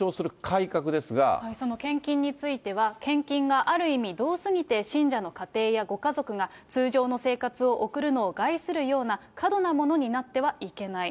献金については、献金がある意味、度を過ぎて信者の家庭やご家族が、通常の生活を送るのを害するような過度なものになってはいけない。